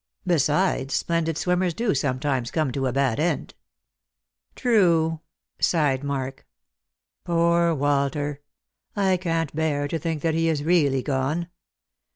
Besides, splendid swimmers do sometimes come to a bad end." " True," sighed Mark. " Poor Walter ; I can't bear to think that he is really gone.